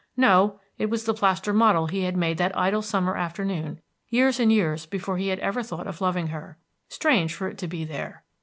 No, it was the plaster model he had made that idle summer afternoon, years and years before he had ever thought of loving her. Strange for it to be there!